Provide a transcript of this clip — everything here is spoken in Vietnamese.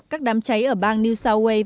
các đám cháy ở bang new south wales